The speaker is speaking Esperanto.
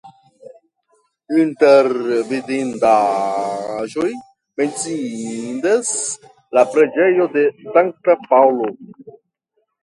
Inter vidindaĵoj menciindas la preĝejo de Sankta Paŭlo.